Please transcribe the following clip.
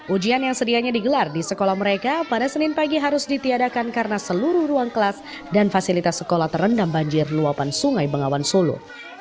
ujian yang sedianya digelar di sekolah mereka pada senin pagi harus ditiadakan karena seluruh ruang kelas dan fasilitas sekolah terendam banjir luapan sungai bengawan solo